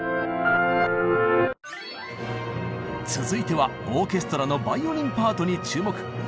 続いてはオーケストラのバイオリンパートに注目。